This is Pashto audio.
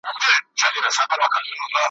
لوند ګریوان به څنګه وچ سي